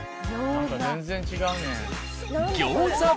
全然違うね。